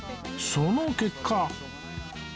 その結果